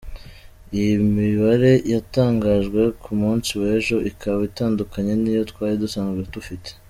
Iyi mibare yatangajwe ku munsi w’ejo ikaba itandukanye n’iyo twari dusanzwe dufite.